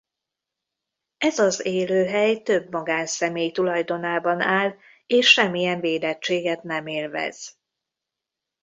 Ez az élőhely több magánszemély tulajdonában áll és semmilyen védettséget nem élvez.